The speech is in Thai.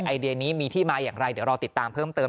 ไอเดียนี้มีที่มาอย่างไรเดี๋ยวรอติดตามเพิ่มเติม